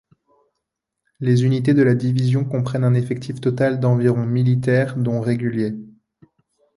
Les unités de la division comprennent un effectif total d'environ militaires dont réguliers.